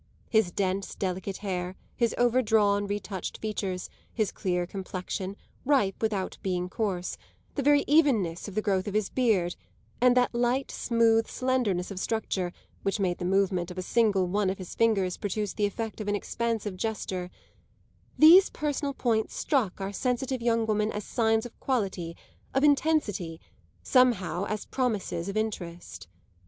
His dense, delicate hair, his overdrawn, retouched features, his clear complexion, ripe without being coarse, the very evenness of the growth of his beard, and that light, smooth slenderness of structure which made the movement of a single one of his fingers produce the effect of an expressive gesture these personal points struck our sensitive young woman as signs of quality, of intensity, somehow as promises of interest.